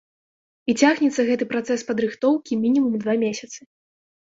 І цягнецца гэты працэс падрыхтоўкі мінімум два месяцы.